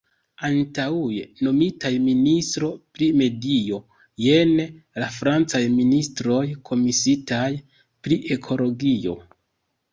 Antaŭe nomitaj "ministro pri medio", jen la francaj ministroj komisiitaj pri ekologio.